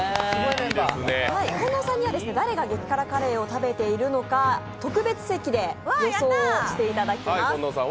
近藤さんには誰が激辛カレーを食べているのか特別席で予想をしていただきます。